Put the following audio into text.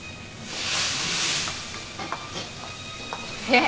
えっ？